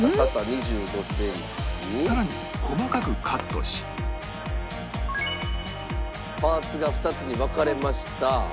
さらに細かくカットしパーツが２つに分かれました。